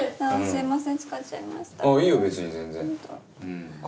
はいすいません。